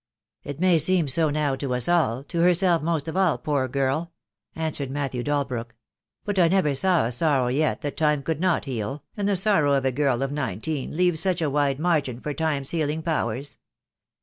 "It may seem so now to us all, to herself most of all, poor girl," answered Matthew Dalbrook. "But I never saw a sorrow yet that Time could not heal, and the sorrow of a girl of nineteen leaves such a wide margin for Time's healing powers.